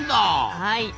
はい。